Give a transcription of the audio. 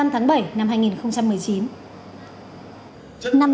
hai mươi năm tháng bảy năm hai nghìn một mươi chín